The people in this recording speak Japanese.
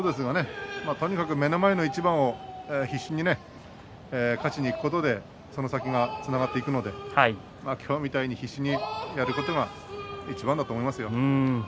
とにかく目の前の一番を必死に勝ちにいくことでその先につながっていくことで今日みたいに必死にやることがいちばんだと思います。